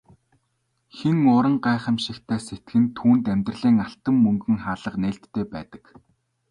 Хэн уран гайхамшигтай сэтгэнэ түүнд амьдралын алтан мөнгөн хаалга нээлттэй байдаг.